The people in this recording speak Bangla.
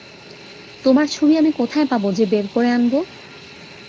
তোমার ছবি আমি কোথায় পাব যে বের করে আনব?